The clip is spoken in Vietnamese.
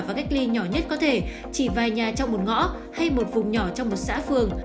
và cách ly nhỏ nhất có thể chỉ vài nhà trong một ngõ hay một vùng nhỏ trong một xã phường